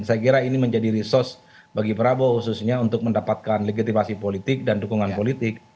saya kira ini menjadi resource bagi prabowo khususnya untuk mendapatkan legitimasi politik dan dukungan politik